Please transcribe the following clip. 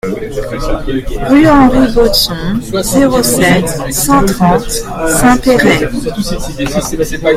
Rue Henri Baudson, zéro sept, cent trente Saint-Péray